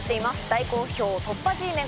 大好評、突破Ｇメン。